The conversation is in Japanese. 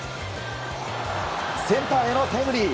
センターへのタイムリー！